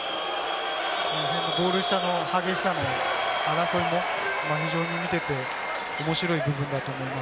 ゴール下の激しさも争いも非常に見ていて面白い部分だと思います。